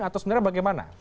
atau sebenarnya bagaimana